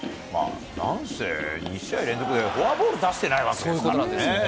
なんせ、２試合連続でフォアボール出してないわけですからね。